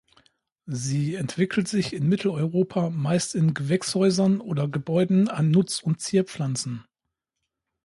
Sie entwickelt sich in Mitteleuropa meist in Gewächshäusern oder Gebäuden an Nutz- und Zierpflanzen.